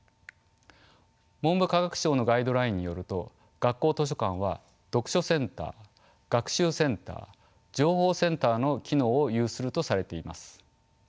文部科学省のガイドラインによると学校図書館は読書センター学習センター情報センターの機能を有するとされています。